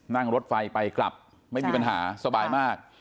นั่งรถไฟไปกลับไม่มีปัญหาสบายมาก